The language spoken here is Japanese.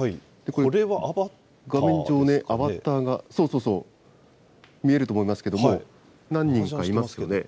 画面上、アバターが見えると思いますけれども、何人かいますよね。